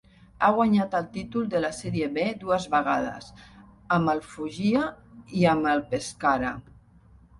Ha guanyat el títol de la Sèrie B dues vegades, amb el Foggia i amb el Pescara.